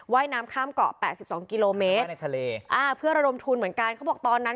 ว่ายน้ำข้ามเกาะ๘๒กิโลเมตรเพื่อระดมทุนเหมือนกันเขาบอกตอนนั้น